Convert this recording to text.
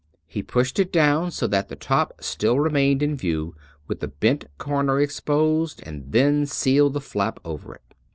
He pushed it down so that the top still remained in view with the bent comer exposed, and then sealed the flap over it.